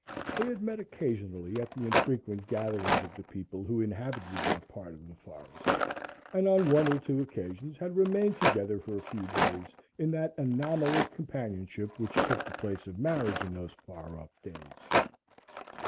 They had met occasionally at the infrequent gatherings of the people who inhabited that part of the forest, and on one or two occasions had remained together for a few days in that anomalous companionship which took the place of marriage in those far off days.